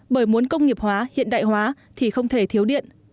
bởi muốn công nghiệp hóa hiện đại hóa thì không thể thiếu điện